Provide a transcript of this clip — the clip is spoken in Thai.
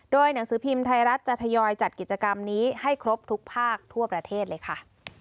หนังสือพิมพ์ไทยรัฐจะทยอยจัดกิจกรรมนี้ให้ครบทุกภาคทั่วประเทศเลยค่ะ